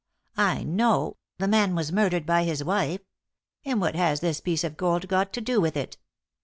I know the man was murdered by his wife. And what has this piece of gold got to do with it?"